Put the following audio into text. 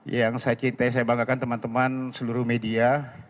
yang saya cintai saya banggakan teman teman seluruh media